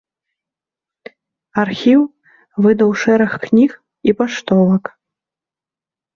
Архіў выдаў шэраг кніг і паштовак.